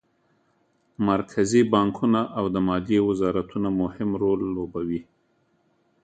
مرکزي بانکونه او د مالیې وزارتونه مهم رول لوبوي